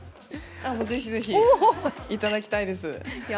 ぜひぜひ、いただきたいです